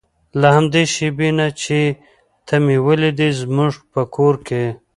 له همدې شېبې نه چې ته مې ولیدې زموږ په کور کې.